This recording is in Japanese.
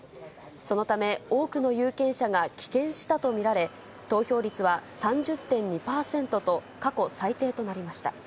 そのため、多くの有権者が棄権したと見られ、投票率は３０．２％と、過去最低となりました。